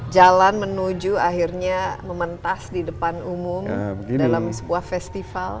jalan menuju akhirnya mementas di depan umum dalam sebuah festival